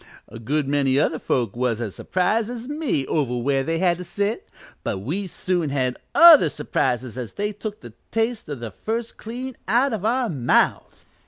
A good many other folks was as surprised as me over where they had to sit, but we soon had other surprises as took the taste o' the first clean out o' our mouths.